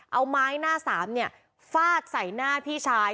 เอาไม้หน้าสามฟาดใส่หน้าพี่ชาย